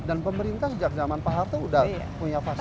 pemerintah sejak zaman pak harto sudah punya fasilitas